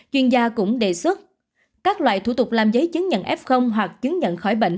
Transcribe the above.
chuyên gia cũng đề xuất các loại thủ tục làm giấy chứng nhận f hoặc chứng nhận khỏi bệnh